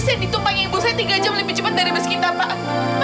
besi yang ditumpangnya ibu saya tiga jam lebih cepet dari besi kita pak